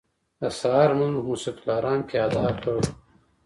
د سهار لمونځ مو په مسجدالحرام کې ادا کړ.